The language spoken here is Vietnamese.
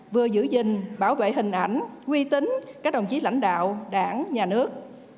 vừa giữ gìn bảo vệ hình ảnh quy tính các đồng chí lãnh đạo đảng nhà nước